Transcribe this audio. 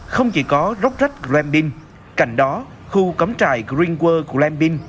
không chỉ có rốc rách cửa lèm binh cạnh đó khu cắm trại greenwood